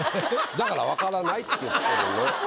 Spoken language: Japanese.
だから分からないって言ってるの。